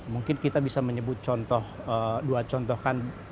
mungkin kita bisa menyebut dua contoh kan